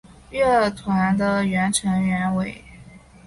乐团的原成员为。